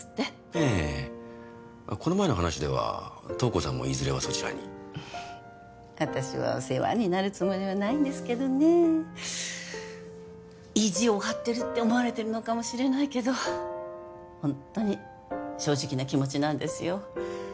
ええこの前の話では瞳子さんもいずれはそちらに私は世話になるつもりはないんですけどね意地を張ってるって思われてるのかもしれないけどホントに正直な気持ちなんですよ